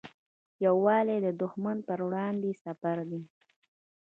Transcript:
یووالی د دښمن پر وړاندې سپر دی.